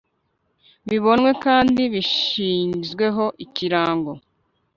bibonwe kandi bishyizweho ikirango